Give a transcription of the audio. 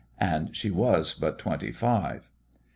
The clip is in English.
And she was but twenty five....